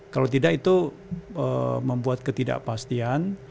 kalau tidak itu membuat ketidakpastian